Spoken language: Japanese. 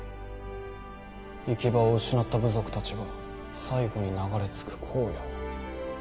行き場を失った部族たちが最後に流れ着く荒野。